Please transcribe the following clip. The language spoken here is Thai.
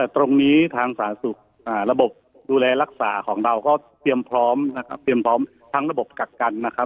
ตรงนี้ทางสาธารณูปโภคระบบดูแลรักษาของเราก็เตรียมพร้อมทั้งระบบกักกันนะครับ